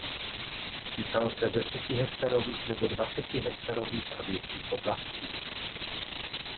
Týkal se desetihektarových nebo dvacetihektarových a větších oblastí.